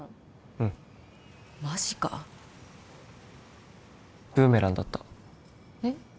うんマジかブーメランだったえっ？